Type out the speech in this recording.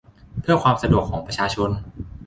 เพื่อความสะดวกของประชาชน